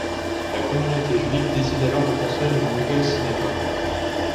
La communauté juive décide alors de construire une nouvelle synagogue.